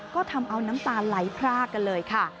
ก็ทำเอาน้ำตาไหลพรากกันเลยค่ะ